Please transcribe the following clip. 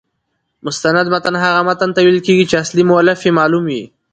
مستند متن هغه متن ته ویل کیږي، چي اصلي مؤلف يې معلوم يي.